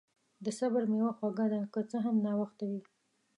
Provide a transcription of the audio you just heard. د صبر میوه خوږه ده، که څه هم ناوخته وي.